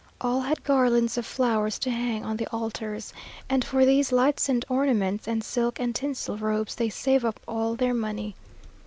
All had garlands of flowers to hang on the altars; and for these lights and ornaments, and silk and tinsel robes, they save up all their money.